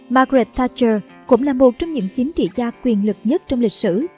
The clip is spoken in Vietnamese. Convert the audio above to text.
margaret thatcher cũng là một trong những chính trị gia quyền lực nhất trong lịch sử